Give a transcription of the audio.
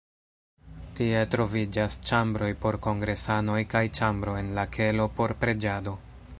Tie troviĝas ĉambroj por kongresanoj kaj ĉambro en la kelo por preĝado.